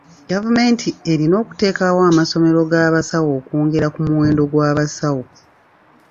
Gavumenti erina okuteekawo amasomero g'abasawo okwongera ku muwendo gw'abasawo.